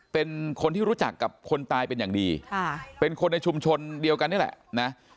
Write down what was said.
เป็นคนที่รู้จักกับคนตายเป็นอย่างดีค่ะเป็นคนในชุมชนเดียวกันนี่แหละนะ